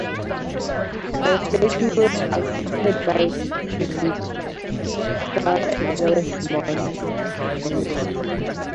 The statue was accepted by "Bewitched" star Elizabeth Montgomery.